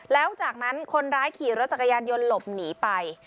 แล้วจากนั้นคนร้ายขี่รถจักรยานยนต์หลบหนีไป